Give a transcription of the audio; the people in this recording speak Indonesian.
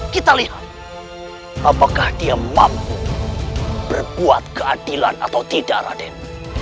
kita lihat apakah dia mampu berbuat keadilan atau tidak raden